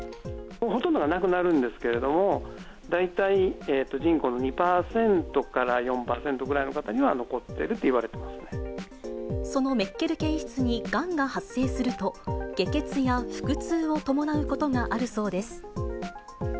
ほとんどがなくなるんですけれども、大体人口の２％から４％ぐらいの方には残っていると言われていまそのメッケル憩室にがんが発生すると、下血や腹痛を伴うことがあるそうです。